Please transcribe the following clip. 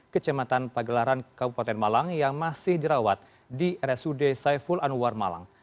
kecamatan pagelaran kabupaten malang yang masih dirawat di rsud saiful anwar malang